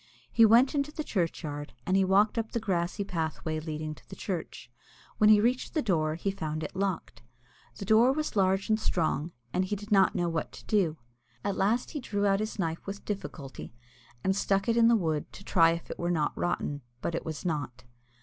He went into the churchyard, and he walked up the old grassy pathway leading to the church. When he reached the door, he found it locked. The door was large and strong, and he did not know what to do. At last he drew out his knife with difficulty, and stuck it in the wood to try if it were not rotten, but it was not.